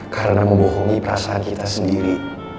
karena membohongi perasaan kita sendiri